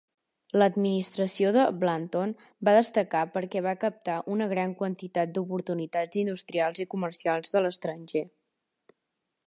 L'administració de Blanton va destacar perquè va captar una gran quantitat d'oportunitats industrials i comercials de l'estranger.